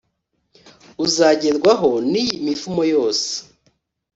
uzagerwaho n’iyi mivumo yose: